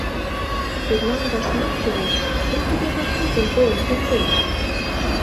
Тудлан вашмут кӱлеш, кӧ тиде вашмутым пуэн кертеш?